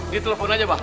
di telpon aja bang